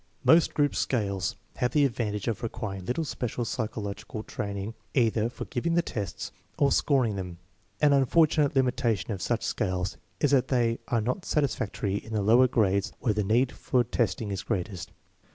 Most group scales have the advantage of requiring little special psycho logical training either for giving the tests or scoring them. An unfortunate limitation of such scales is that they are not satisfactory in the lower grades where the need for testing is greatest.